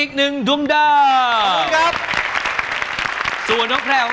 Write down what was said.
เกือบเวลาแล้ว